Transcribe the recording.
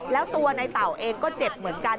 แล้วตัวในเต่าเองก็เจ็บเหมือนกัน